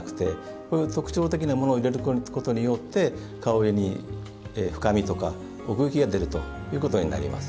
こういう特徴的なものを入れることによって香りに深みとか奥行きが出るということになります。